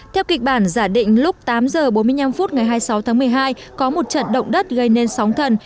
theo kịch bản giả định lúc tám h bốn mươi năm phút ngày hai mươi sáu tháng một mươi hai có một trận động đất gây nên sóng thần